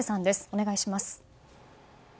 お願いします。